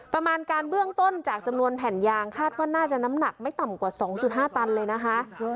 ประมาณการเบื้องต้นจากจำนวนแผ่นยางคาดว่าน่าจะน้ำหนักไม่ต่ำกว่า๒๕ตันเลยนะคะ